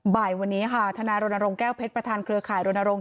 บ่ายวันนี้ค่ะทนายรณรงค์แก้วเพชรประธานเครือข่ายรณรงค